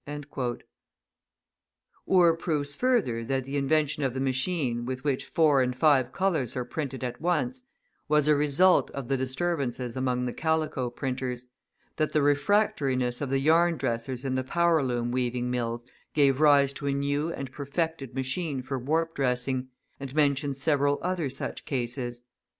{223b} Ure proves further that the invention of the machine, with which four and five colours are printed at once, was a result of the disturbances among the calico printers; that the refractoriness of the yarn dressers in the power loom weaving mills gave rise to a new and perfected machine for warp dressing, and mentions several other such cases.